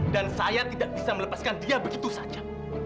dan saya tidak bisa melepaskan dia begitu saja